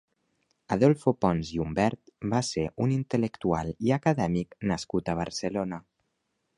Adolfo Pons i Umbert va ser un intel·lectual i acadèmic nascut a Barcelona.